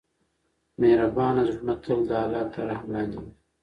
مهربان زړونه تل د الله تر رحم لاندې وي.